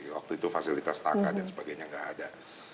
waktu itu fasilitas taka dan sebagainya nggak ada